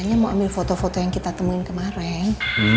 akhirnya mau ambil foto foto yang kita temuin kemarin